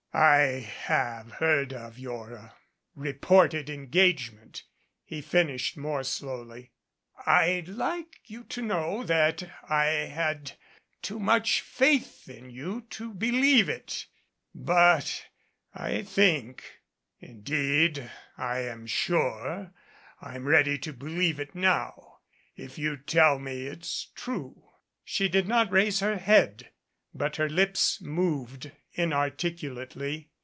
"I have heard of your reported engagement," he fin ished more slowly. "I'd like you to know that I had too much faith in you to believe it. But I think indeed I'm sure I'm ready to believe it now if you tell me it's true." 278 THE WINGS OF THE BUTTERFLY She did not raise her head, but her lips moved inarticu lately.